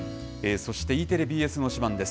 そして、Ｅテレ、ＢＳの推しバン！です。